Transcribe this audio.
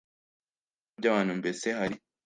Ibibazo by abantu mbese hari